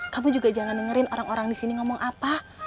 kamu juga jangan dengerin orang orang di sini ngomong apa